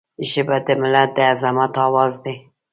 ژبه د ملت د عظمت آواز دی